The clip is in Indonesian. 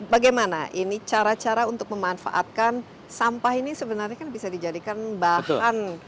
bagaimana ini cara cara untuk memanfaatkan sampah ini sebenarnya kan bisa dijadikan bahan